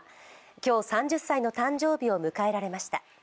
今日、３０歳の誕生日を迎えられました。